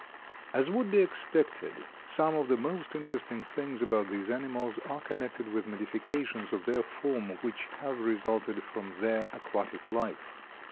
As would be expected, some of the most interesting things about these animals are connected with modifications of their form which have resulted from their aquatic life.